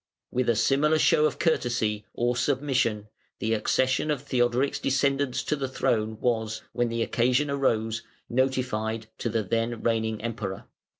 With a similar show of courtesy, or submission, the accession of Theodoric's descendants to the throne was, when the occasion arose, notified to the then reigning Emperor.